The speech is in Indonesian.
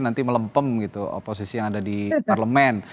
nanti melempem gitu oposisi yang ada di parlemen